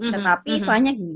tetapi soalnya gini